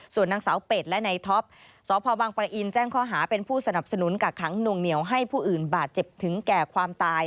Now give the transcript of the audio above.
ส่วนนางสาวเป็ดและในท็อปสพบังปะอินแจ้งข้อหาเป็นผู้สนับสนุนกักขังหน่วงเหนียวให้ผู้อื่นบาดเจ็บถึงแก่ความตาย